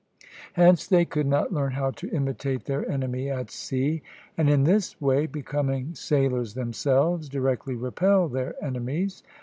Hence they could not learn how to imitate their enemy at sea, and in this way, becoming sailors themselves, directly repel their enemies.